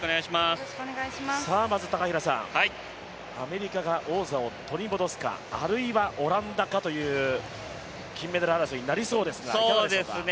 まず、アメリカが王座を取り戻すかあるいはオランダかという金メダル争いになりそうですが、いかがでしょうか。